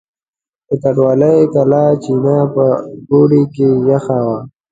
د کنډوالې کلا چینه په اوړي کې یخه وه.